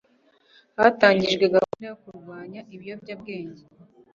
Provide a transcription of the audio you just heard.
hatangijwe gahunda yo kurwanya ibiyobyabwenge